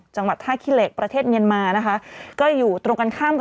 จังหวัดท่าขี้เหล็กประเทศเมียนมานะคะก็อยู่ตรงกันข้ามกับ